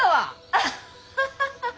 アハハハハッ！